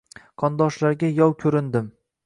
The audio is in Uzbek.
Qondoshlarga yov ko’rindim